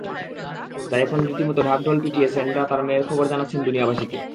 তাই এখন রীতিমতো ঢাক-ঢোল পিটিয়ে সান্ড্রা তাঁর মেয়ের খবর জানাচ্ছেন দুনিয়াবাসীকে।